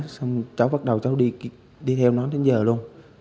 xong cháu bắt đầu cháu đi theo nó đến giờ luôn